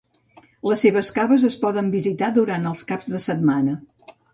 Les seves caves es poden visitar durant els caps de setmana.